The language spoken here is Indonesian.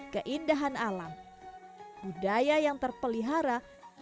keindahan alam budaya yang terpelihara